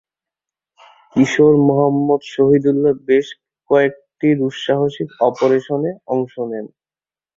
কিশোর মোহাম্মদ শহীদুল্লাহ বেশ কয়েকটি দুঃসাহসিক অপারেশনে অংশ নেন।